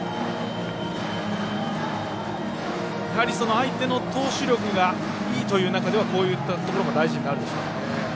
相手の投手力がいいという中ではこういったことも大事になるんでしょうか。